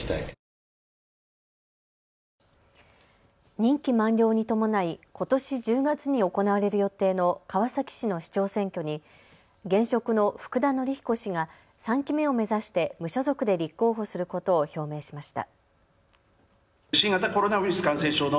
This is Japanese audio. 任期満了に伴いことし１０月に行われる予定の川崎市の市長選挙に現職の福田紀彦氏が３期目を目指して無所属で立候補することを表明しました。